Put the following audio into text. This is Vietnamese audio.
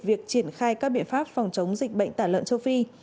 việc triển khai các biện pháp phòng chống dịch bệnh tả lợn châu phi